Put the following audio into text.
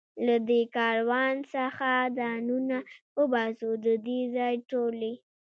له دې کاروان څخه ځانونه وباسو، د دې ځای ټولې.